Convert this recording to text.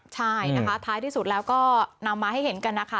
ใช่นะคะท้ายที่สุดแล้วก็นำมาให้เห็นกันนะคะ